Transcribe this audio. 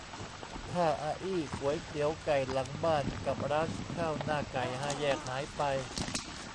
ถ้าอาอี้ก๋วยเตี๋ยวไก่หลังบ้านกับร้านข้าวหน้าไก่ห้าแยกหายไป